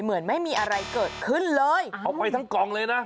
เหมือนไม่มีอะไรเกิดขึ้นเลยเอาไปทั้งกล่องเลยนะ